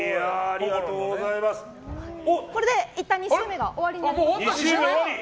これでいったん２周目が終わりになります。